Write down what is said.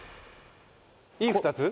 Ｅ２つ？